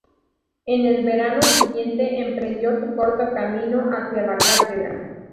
En el verano siguiente emprendió su corto camino hacia la cátedra.